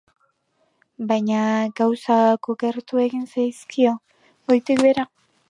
Baina gauzak okertu egin zaizkio, goitik behera.